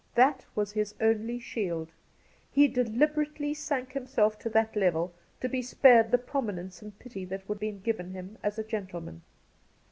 That was his only shield. He deliberately sank him self to that level to be spared the prominence and pity that would be given him as a gentleman.